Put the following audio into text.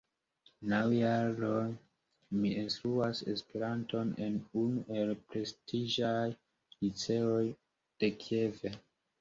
Naŭ jarojn mi instruas Esperanton en unu el prestiĝaj liceoj de Kiev.